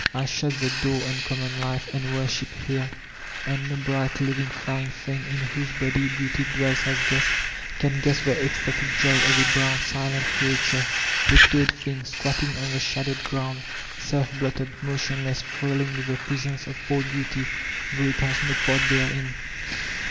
I shut the door on common life and worshiped here. And no bright, living, flying thing, in whose body Beauty dwells as guest, can guess the ecstatic joy of a brown, silent creature, a toad thing, squatting on the shadowed ground, self blotted, motionless, thrilling with the presence of All Beauty, though it has no part therein.